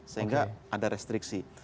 sehingga ada restriksi